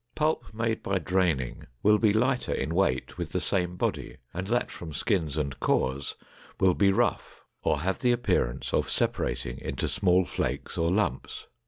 Pulp made by draining will be lighter in weight with the same body, and that from skins and cores will be rough or have the appearance of separating into small flakes or lumps.